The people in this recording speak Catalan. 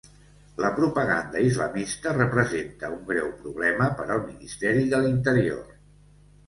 La propaganda islamista representa un greu problema per al ministeri de l'Interior.